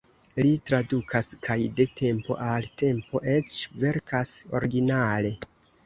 Li tradukas kaj de tempo al tempo eĉ verkas originale.